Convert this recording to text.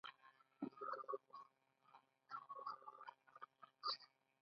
افغانستان تر هغو نه ابادیږي، ترڅو د ګډ هدف لپاره کار ونکړو.